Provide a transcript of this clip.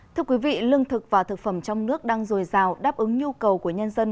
thưa quý vị lương thực và thực phẩm trong nước đang dồi dào đáp ứng nhu cầu của nhân dân